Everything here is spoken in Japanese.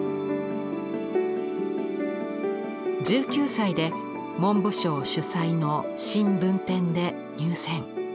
１９歳で文部省主催の新文展で入選。